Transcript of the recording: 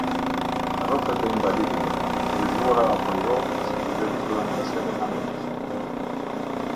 Karrocat e invalidëve, të motorizuara apo jo ose të lëvizura ndryshe mekanikisht.